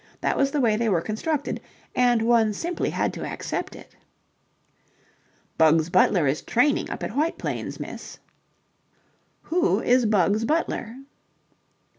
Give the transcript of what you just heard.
That was the way they were constructed, and one simply had to accept it. "Bugs Butler is training up at White Plains, miss." "Who is Bugs Butler?"